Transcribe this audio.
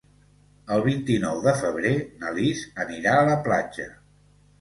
El vint-i-nou de febrer na Lis anirà a la platja.